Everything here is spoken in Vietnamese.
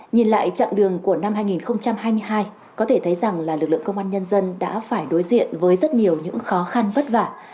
nhìn lại chặng đường của năm hai nghìn hai mươi hai có thể thấy rằng là lực lượng công an nhân dân đã phải đối diện với rất nhiều những khó khăn vất vả